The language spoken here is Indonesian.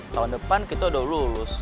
tahun depan kita udah lulus